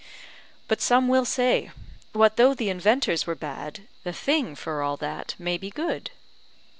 But some will say, what though the inventors were bad, the thing for all that may be good?